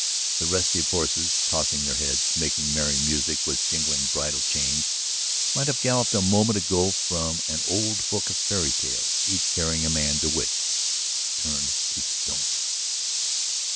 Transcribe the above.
The restive horses, tossing their heads, making merry music with jingling bridle chains, might have galloped a moment ago from an old book of fairy tales, each carrying a man bewitched, turned to stone.